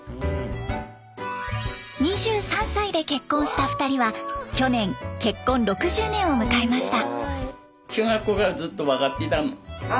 ２３歳で結婚した２人は去年結婚６０年を迎えました。